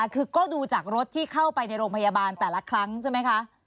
คือก็ดูจากรถที่เข้าไปในโรงพยาบาลแต่ละครั้งใช่ไหมคะ